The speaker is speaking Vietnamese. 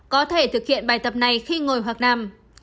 có thể thực hiện bài tập này khi ngồi hoặc làm